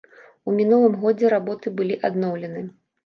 У мінулым годзе работы былі адноўлены.